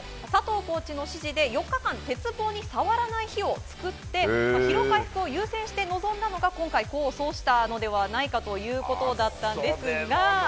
コーチの指示で４日間鉄棒に触らない日を作って疲労回復を優先して臨んだのが今回、功を奏したのではないかということだったんですが。